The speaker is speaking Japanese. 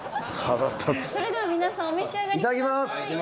それでは皆さんお召し上がりください。